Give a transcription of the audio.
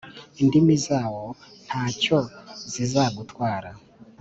indimi zawo nta cyo zizagutwara,